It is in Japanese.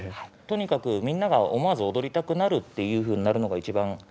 とにかくみんなが思わず踊りたくなるっていうふうになるのが一番。